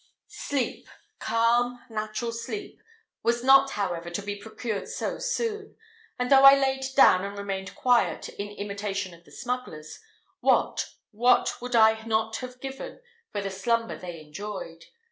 Sleep calm, natural sleep was not, however, to be procured so soon; and though I laid down and remained quiet, in imitation of the smugglers, what, what would I not have given for the slumber they enjoyed!